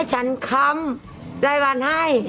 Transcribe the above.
ให้ฉันค้ำรายวัลให้